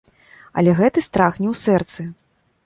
Але гэты страх не ў сэрцы.